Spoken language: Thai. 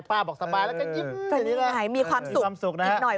ป้าบอกสบายแล้วก็ยิ้มมีความสุขอีกหน่อย